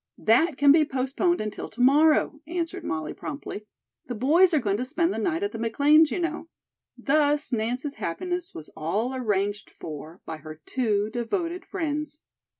"That can be postponed until to morrow," answered Molly promptly. "The boys are going to spend the night at the McLean's, you know." Thus Nance's happiness was all arranged for by her two devoted friends.